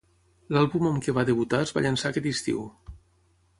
L'àlbum amb què va debutar es va llançar aquest estiu.